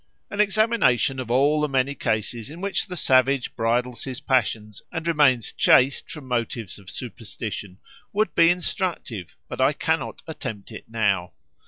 An examination of all the many cases in which the savage bridles his passions and remains chaste from motives of superstition, would be instructive, but I cannot attempt it now.